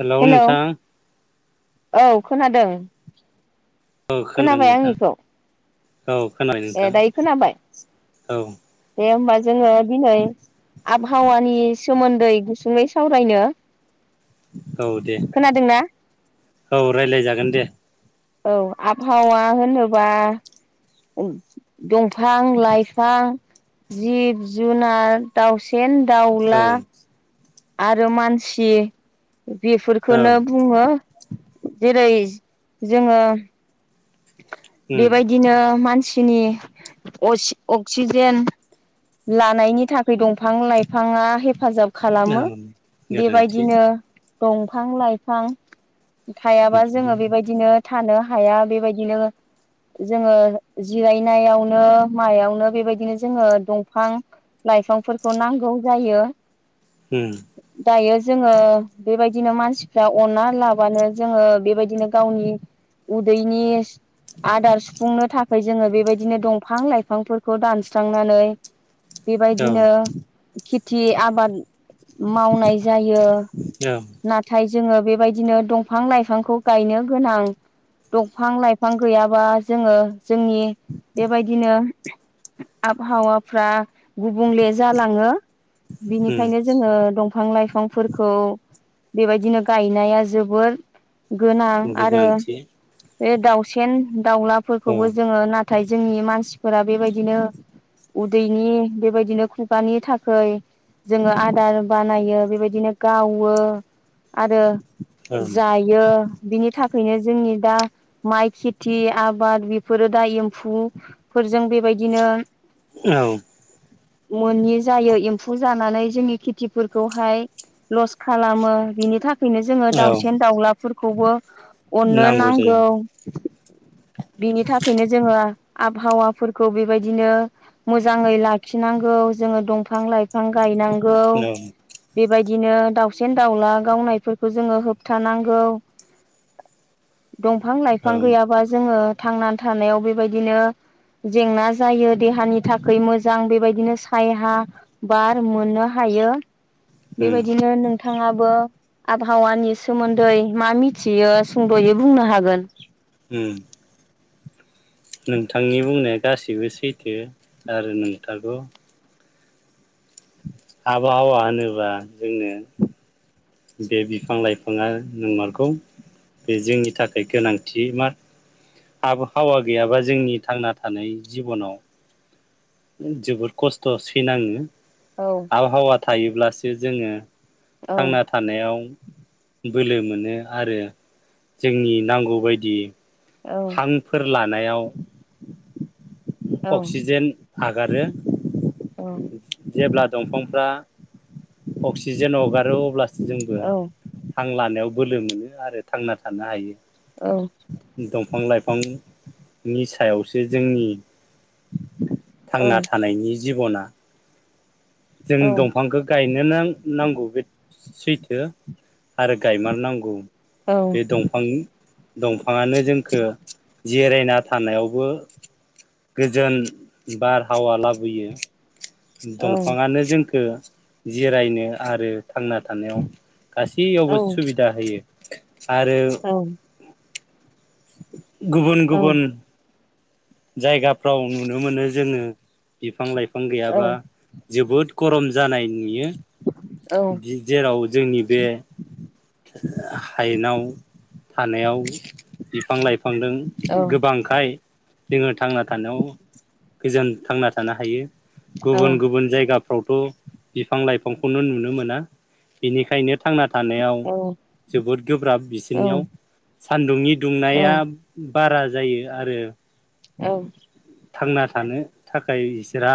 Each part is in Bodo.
हेलौ नोंथां। औ खोनादों । औ खोनादों नोंथां। औ खोनायो ए नोंथां दायो खोनाबाय औ। दे होमबा जोङो दिनै आबा हावानि सोमोन्दै गुसुङै सावरायनो औ दे खोनादोंना औ रायलाय जागोन दे। औ आबहावा होनोबा ओ दंफां लाइफां जिब जुनार दाउसेन औ दाउला आरो मानसि औ बेफोरखौनो बुङो जेरै जोङो उम बेबायदिनो मानसि नि असि अक्सिजेन लानायनि थाखाय दंफां लाइफाङा हेफाजाब औ खालामो गोरोन्थि बेबायदिनो दंफां लाइफां थायाबा जोङो उम बेबायदिनो थानो हाया बेबाय दिनो जोङो जिरायनायावनो मायावनो बेबायदिनो जोङो दंफां लाइफांफोरखौ नांगौ जायो। होम दायो जोङो बेबायदिनो मानसिफ्रा अनना लाबानो जोङो बेबायदिनो गावनि उदैनि आदार सुफुंनो थाखाय जोङो बेबायदिनो दंफां लाइफांफोरखौ दानस्रांनानै औ बेबायदिनो खि थि आबाद मावनाय जायो। नाथाय जोङो बे बायदिनो दंफां लाइफांखौ गायनो गोनां दंफां लाइफां गैयाबा जोङो जोंनि बेबायदिनो आबहावाफ्रा गुबुंले जालाङो उम बिनिखायनो जोङो दंफां लाइफांफोरखौ बेबायदिनो गायनाया जोबोर गोनां आरो गोनांथि बे दाउसेेन औ दाउलाफोरखौबो जोङो ना नाथाय जोंनि मानसिफोरा बेबायदिनो उदैनि बेबायदिनो खुगानि थाखाय जोङो आदार बानायो बेबायदिनो गाव बो आरो औ जायो बिनि था खायनो जोंनि दा माइ खेथि आबाद बेफोरो दा एम्फौफोरजों बेबायदिनो औ मोनि जायो एम्फौ जानानै जोंनि खेथिफोरखौहाय लस खालामो बिनि थाखाय फैनो जोङो औ दाउसेन दाउलाफोरखौ खौबो अननो नांगौ। बिनि थाखायनो जोङो आबहावाफोरखौ बेबायदिनो मोजाङै लाखिनांगौ जोङो दंफां लाइफां गायनांग गौ औ बेबायद बिदिनो दाउ सेन दाउला गावनायफोरखौ जोङो होबथानांगौ दंफां औ लाइफां गैयाबा जोङो। थांनानै थानायाव बेबायदिनो जेंना जायो देहानि थाखाय मोजां बेबायदिनो सायहा बार मोननो हायो उम बेबायदिनो नों थाङाबो आबहावानि सोमोन्दै मा मिथियो सुंद'यै बुंनो हागोन होम नोंथांनि बुंनाया गासिबो सैथो आरो नोंथारगौ। आबहावा होनोबा जोंनो बे बिफां लाइफाङा नंमारगौ बे जोंनि थाखाय गोनांथि मार आबहावा गैयाबा जोंनि थांना थानाय जिबनाव जोबोद खस्थ' सैनाङो औ आबहावा थायोब्लासो जोङो औ थांना थानायाव। बोलो मोनो आरो जोंनि नांगौबायदि। औ हांफोर ला नायाव अक्सिजेन। आगारो औ जेब्ला दंफांफ्रा अक्सिजेन हगारो अब्लास जोंबो औ हां लानायाव बोलो मोनो आरो थांना थानो हायो औ फां लाइफांनि सायावसो जोंनि औ थांना थानायनि जिब'ना जों औ दंफांखौ गायनो नां नांगौ बे सैथो आरो गायमारनांगौ औ बे दंफां दंफाङानो जोंखो जिरायना थानायावबो गोजोन बारहावा लाबोयो दं बिफाङानो जोंखो जिरायनो आरो थांना थानायाव गासैयावबो सुबिदा होयो आरो [inaudible] गुबुन गुबुन जायगाब फ्राव नुनो मोनो जोङो बिफां लाइफ फां गैयाबा जोबोद गरम जानायन नुयो जेराव जोंनि बे हायेनाव थानायाव बिफां लाइफांदों गोबांखाय जोङो थांना थानायाव गोजोन थांना थानो हायो। गुबुन गुबुन जायगा फ्रावथ बिफां लाइफांखौनो नुनो मोना बेनिखायनो थांना थानायाव जोबोद गोब्राब बिसोरनियाव सानदुंनि औ दुंनाया औ बारा जायो आरो औ थांना थानो थाखाय रा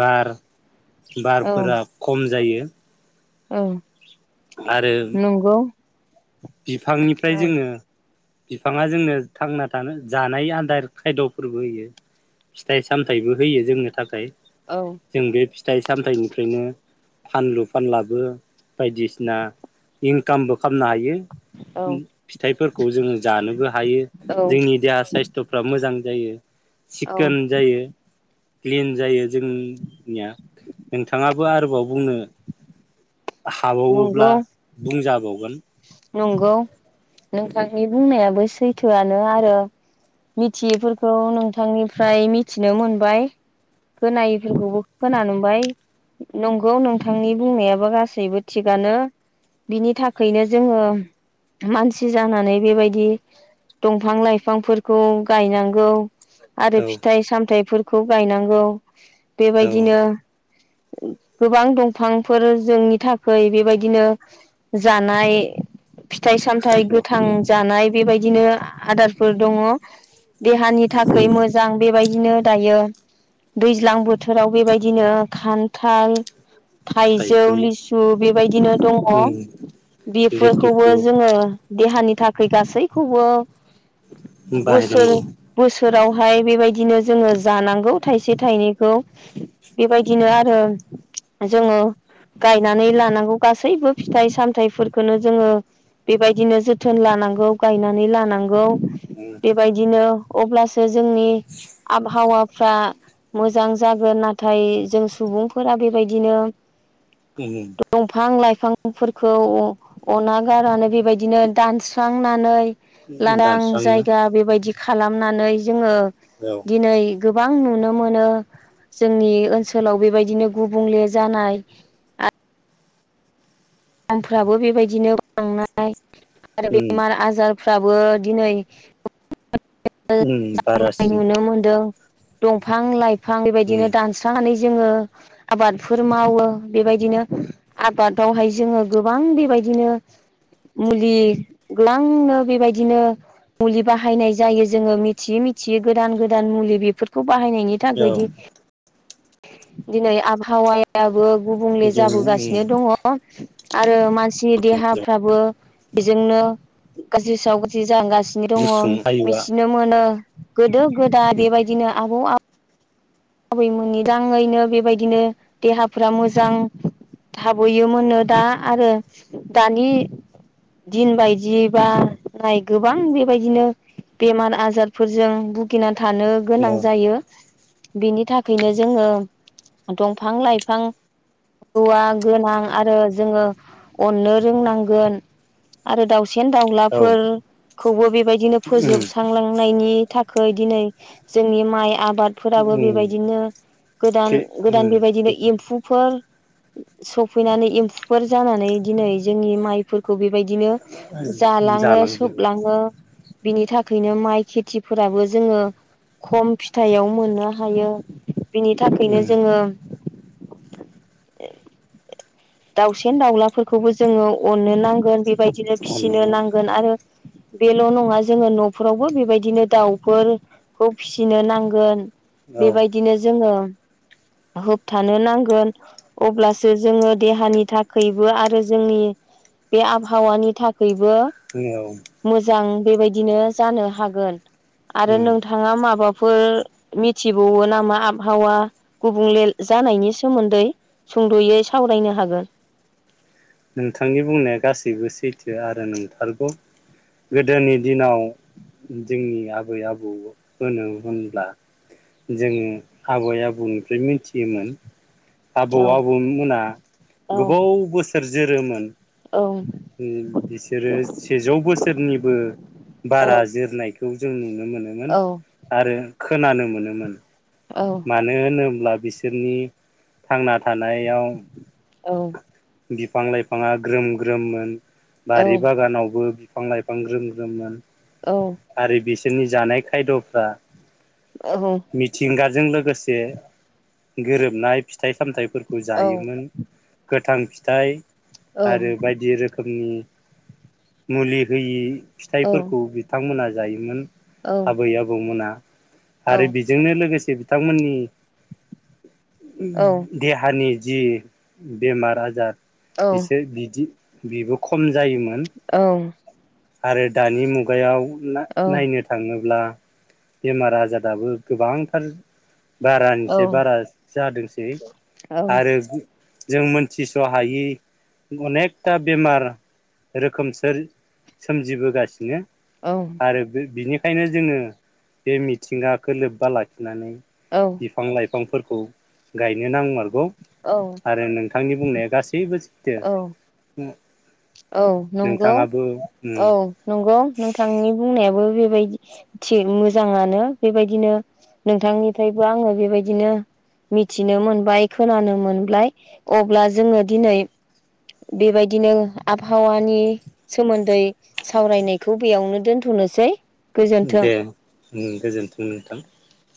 बार बारफोरा औ खम जायो। [inaudible] औ आरो नंगौ औ बिफांनिफ्राय जोङो बिफाङा जोंनो थांना थानो जानाय आदार खायद'फोरबो होयो फिथाइ सामथाइबो होयो जोंनो थाखाय औ जों बे फिथ फिथाइ सामथाइनिफ्रायनो फानलु फानलाबो बायदिसिना इंकामबो खामनो हायो। औ फिथाइफोरखौ जोङो जानोबो हायो औ जोंनि देहा साइस्थ'फ्रा मोजां जायो औ चकोन जायो क्लिन जायो जोंनिया नोंथाङाबो आरोबाव बुंनो हाबावोब्ला नंगौ बुंजाबावगोन नंगौ नोंथांनि बुंनायाबो सैथोआनो आरो मिथियैफोरखौ नोंथांनिफ्राय मिथिनो मोनबाय खोनायैफोरखौबो खोनानो मोनबाय नंगौ नोंथांनि बुंनायाबो गासैबो थिगानो बिनि थाखाय नो जोङो मानसि जानानै बेबायदि दंफां लाइफांफोरखौ गायनांगौ आरो औ फिथाइ सामथायफोरखौ खौ गायनांगौ औ बेबायदिनो गोबां दंफांफोर जोंनि थाखाय बेबायदिनो जानाय फिथाइ सामथायाइ खायद' गोथां उम जानाय बेबायदि बिदिनो आदारफोर दङ देहानि उम थाखाय मोजां बेबायदिनो दायो दैज्लां बोथोराव बेबायदिनो खान्थाल थाइजौ लिसु बेबायदिनो दङ उम बेफोरखौबो लिथुखु जोङो देहानि थाखाय गासैखौबो बोसोर बाहायनांगौ बोसोरावहाय बेबायदिनो जोङो जानांगौ थाइसे थाइनै गौ बेबायदिनो आरो जोङो गायनानै लानांगौ गासैबो फिथाइ सामथ थायफोरखौनो जोङो बेबायदिनो जोथोन लानांगौ गायनानै लानांगौ उम बेबायदिनो अब्लासो जोंनि आबहावाफ्रा मोजां जागोन नाथाय जों सुबुंफोरा बेबायदिनो दमफां लाइफ फां फोर खौ अना गारानो बेबायदिनो दानस्रांनानै उम लानदां दानस्रांनो जायगा बेबायदि खालामनानै जोङो औ दिनै गोबां नुनो मोनो जोंनि ओनसोलाव बेबायदिनो गुबुंले जानाय आ दामफ्राबो बेबायदिनो बांनाय आरो उम बेमार आजार फ्राबो दिनै उम [unintelligible] बारासिन नुनो मोनदों दंफां लाइ फां बेबायदिनो उम दानस्रांनानै जोङो आबादफोर मावो बेबायदिनो आबादावहाय जोंङो गोबां बेबायदिनो मुलि ग्लांनो बेबायदिनो मुलि बाहायनाय जायो जोंङो मिथियि मिथियि गोदान गोदान मुलि बेफोरखौ बाहायनायनि औ थाखैदि दिनै आबहावायाबो गुबुंले जों जाबोगासिनो उम दङ । आरो मानसिनि देहाफ्राबो बेजोंनो गासि सावगासि [unintelligible] सिनो गुसुं दङ आयुआ मिथिनो मोनो गोदोब गोदा बेबायदिनो आबौ आ बैमोननि दाङैनो बेबायदिनो देहाफ्रा मोजां थाबोयोमोननो दा आरो दानि दिन बायदियैबा फ्राय गोबां बेबायदिनो बेमार आजारफोरजों भुगिना थानो गोनां औ जायो । बिनि थाखायनो जोङो दमफां लाइफां औवा गोनां आरो जोङो अननो रोंनांगोन आरो दाउ सिन औ दाउलाफोर खौबो बिफ बायदिनो उम फोजोबस्रांलांनायनि थाखै दिनै जोंनि माइ आबाद फोराबो उम बेबायदिनो गोदान खे गोदान उम बेबायदिनो एम्फौफोर सफैनानै एम्फौफोर जानानै दिनै जोंनि माइ फोरखौबि बायदिनो जालाङो जालांजोबो सोबलाङो बिनि थाखायनो माइ खेथिफोराबो जोङो खम फिथाइयाव मो ननो हायो । बिनि थाखायनो उम जोङो [unintelligible] दाउसेन दाउलाफोरखौबो जोङो अननो नांगोन बे बेबायदिनो फिसिनो अनलाङा नांगोन आरो बेल' नङा जोङो न'फोरावबो बेबायदिनो दाउफोरखौ फिसिनो नांगोन । औ बेबायदिनो जोङो होबथानो नांगोन अब्लासो जोङो देहानि थाखायबो आरो जोंनि बे आबहावानि थाखाय बबो औ मोजां बेबायदिनो जानो हागोन आरो उम नोंथाङा माबा फोर मिथिबावो नामा आबहावा गुबुंले जानायनि सोमोन्दै सुंद'यै सावरायनो हागोन नोंथांनि बुंनाया गासैबो सैथो आरो नोंथारगौ गोदोनि दिनाव जोंनि आबै आबौ होनो होनब्ला जोङो आबै आबौनिफ्राय मिथियोमोन आबौ औ आबौमोना औ गोबाव बोसोर सोरुजिरोमोन औ बिसोरो सेजौ बोसोरनिबो बारा जोरनायखौ बे जोंनि नुनो मोनोमोन औ आरो खोनानो मोनोमोन मानो होन्ला बिसोरनि थांना थानायाव औ बिफां लाइफाङा ग्रोम ग्रोममोन औ बारि बागानावबो बिफां लाइफां ग्रोम ग्रोममोन औ आरो बेसे जोंनि जानाय खायद'फ्रा औ मिथिं गाज्रि जों लोगोसे गोरोबनाय फिथाइ सामथायफोरखौ औ जायोमोन गोथां फिथाइ आरो बायदि रोखोमनि मुलि होयि फिथाइफोरखौ बिथांमोना जायोमोन । आबै आबौमोना आरो बिजोंनो लोगोसे बिथांमोननि देहानि जि बेमार आजार बिसोर बिदि बेबो खम जायोमोन । आरो दानि मुगायाव ना-नायनो थाङोब्ला बेमार आजाराबो गोबांथार बारानिसाय बारा जादोंसै आरो जों मोनथिस' हायि अनेखथा बेमार रोखोम सो-सोमजिबोगासिनो औ आरो बि-बिनि खायनो जोङो बे मिथिंगाखो लोब्बा लाखिनानै बिफां लाइ फां फोरखौ गायनो नांमारगौ औ आरो नोंथांनि बुंनाया गासैबो सै औ । ओ औ नंगौ औ उम नंगौ नोंथांनि बुंनायाबो बेबायदि थिग मोजाङानो बेबायदिनो नोंथांनिफ्रायबो आङो बेबायदिनो मिथिनो मोनबाय खोनानो मोनबाय अब्ला जोङो दिनै बेबायदिनो आबहावानि सोमोन्दै सावरायनायखौ बेयावनो दोनथ'नोसै गोजोन्थों दे । ओम गोजोन्थों नोंथां ।